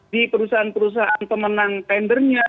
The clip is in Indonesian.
di perusahaan perusahaan pemenang tendernya